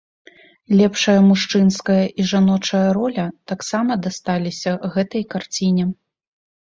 Лепшая мужчынская і жаночая роля таксама дасталіся гэтай карціне.